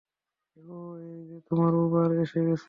ওহ এই যে তোমার উবার এসে গেছে।